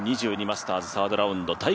２０２２マスターズ、サードラウンド。